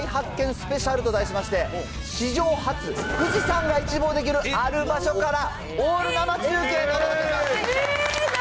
スペシャルと題しまして、史上初、富士山が一望できるある場所から、オール生中継となっております。